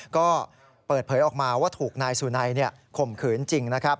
ก็เปิดเผยออกมาว่าถูกนายสุนัยข่มขืนจริงนะครับ